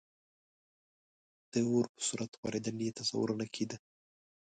د اور په سرعت خورېدل یې تصور نه کېده.